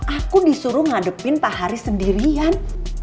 aku disuruh ngadepin pak haris sendirian